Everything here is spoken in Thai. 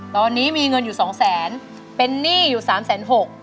ตอนนี้มีเงินอยู่สองแสนเป็นหนี้อยู่สามแสนหก